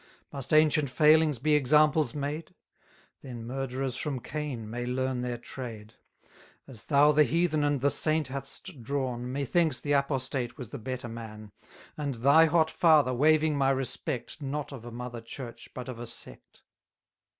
Must ancient failings be examples made? Then murderers from Cain may learn their trade. As thou the heathen and the saint hast drawn, 390 Methinks the apostate was the better man: And thy hot father, waving my respect, Not of a mother church but of a sect.